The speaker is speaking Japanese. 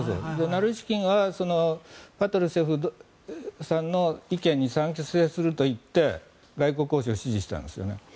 ナルイシキンがパトルシェフさんの意見に賛成すると言って外交交渉を支持したんですよね。